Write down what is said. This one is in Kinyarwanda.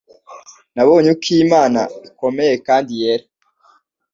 Nabonye uko Imana ikomeye kandi yera